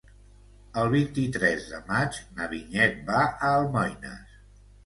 El vint-i-tres de maig na Vinyet va a Almoines.